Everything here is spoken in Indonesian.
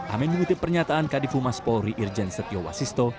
amin mengutip pernyataan kadifu mas polri irjen setiawasisto